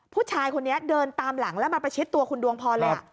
ผู้ชายคนนี้เดินตามหลังแล้วมาประชิดตัวคุณดวงพรเลย